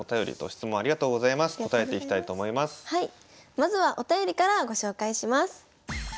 まずはお便りからご紹介します。